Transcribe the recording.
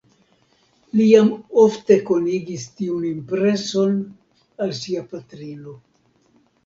Li jam ofte konigis tiun impreson al sia patrino.